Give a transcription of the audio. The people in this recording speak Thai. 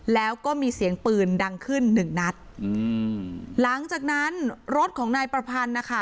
แล้วก็มีเสียงปืนดังขึ้นหนึ่งนัดอืมหลังจากนั้นรถของนายประพันธ์นะคะ